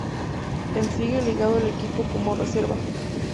En sigue ligado al equipo como reserva.